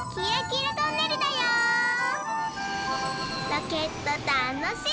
ロケットたのしい！